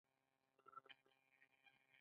کوچیان د پوڅې په جوړولو کی مهارت لرې.